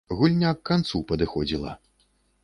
Гульня к канцу падыходзіла.